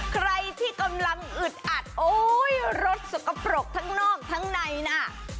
ใครที่กำลังอึดอัดโอ้ยรสสกปรกทั้งนอกทั้งในน่ะ